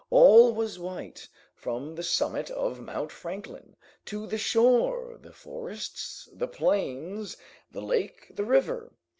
All was white, from the summit of Mount Franklin to the shore, the forests, the plains, the lake, the river.